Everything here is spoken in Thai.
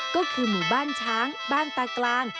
ก็คือหมู่บ้านช้างบ้านตากลาง